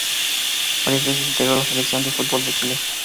Varias veces integró la Selección de fútbol de Chile.